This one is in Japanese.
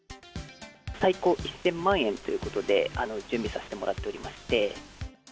最高１０００万円ということで、準備させてもらっておりまして。